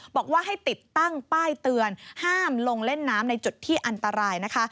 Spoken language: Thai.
บอกว่าให้ติดตั้งป้ายเตือนห้ามลงเล่นน้ำในจุดที่อันตรายนะคะ